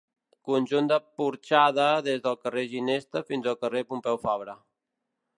Conjunt de porxada des del carrer Ginesta fins al carrer Pompeu Fabra.